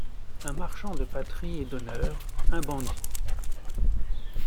Un marchand de patrie et d'honneur, un bandit